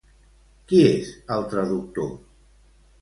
Qui és el traductor?